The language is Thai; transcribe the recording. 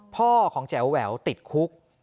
พ่อของแจ๋วแหววติดคุก